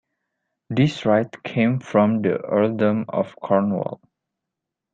This right came from the Earldom of Cornwall.